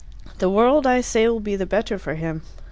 The world, I say, will be the better for him."